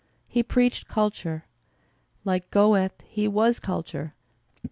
He preached culture. Like Goethe he was culture.